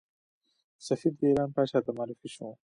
سفیر د ایران پاچا ته معرفي شو.